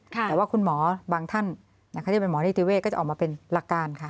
แต่ว่าคุณหมอบางท่านเขาจะเป็นหมอนิติเวศก็จะออกมาเป็นหลักการค่ะ